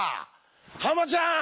ハマちゃん！